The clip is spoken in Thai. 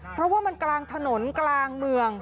เพราะว่ามันกลางถนนกลางเมือง